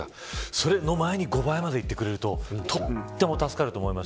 それの前に５倍までいってくれると助かると思います。